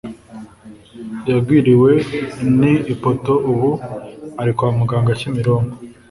Yagwiriwe ni ipoto ubu ari kwamuganga kimironko